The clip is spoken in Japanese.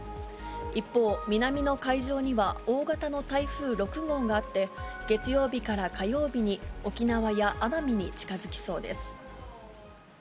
一方、南の海上には大型の台風６号があって、月曜日から火曜日に沖縄や奄美に近づきそうです。